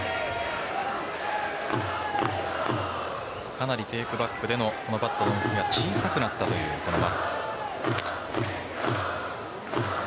かなりテークバックでのバットの動きが小さくなったという丸。